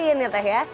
koin ya teh ya